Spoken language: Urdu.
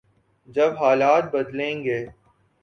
جب حالات بدلیں گے۔